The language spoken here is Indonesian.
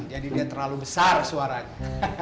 jadi dia terlalu besar suaranya